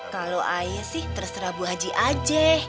kalo ibu sih terserah bu haji aja